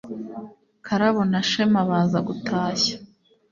Karabo na Shema baza gutashya,